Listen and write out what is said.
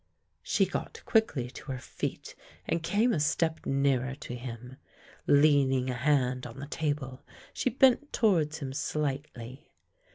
" She got quickly to her feet and came a step nearer to him. Leaning a hand on the table, she bent towards him slightly.